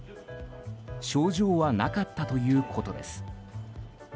症状はなかったということです。